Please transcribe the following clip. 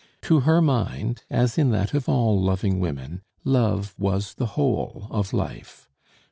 To her mind, as in that of all loving women, love was the whole of life.